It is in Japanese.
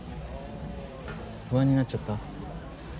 不安になっちゃった？